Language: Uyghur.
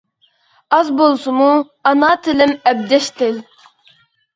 ئاز بولسىمۇ ئانا تىلىم ئەبجەش تىل.